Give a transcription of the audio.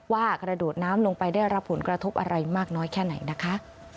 กระโดดน้ำลงไปได้รับผลกระทบอะไรมากน้อยแค่ไหนนะคะ